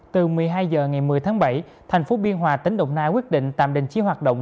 từ một mươi hai h ngày một mươi tháng bảy thành phố biên hòa tỉnh đồng nai quyết định tạm đình chỉ hoạt động